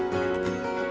lalu dia nyaman